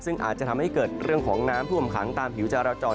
ซึ่งอาจจะทำให้เกิดเรื่องของน้ำท่วมขังตามผิวจาราจร